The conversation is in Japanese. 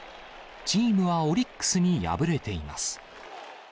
チームはオリックスに敗れています。